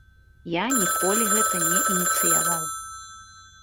Я ніколі гэта не ініцыяваў.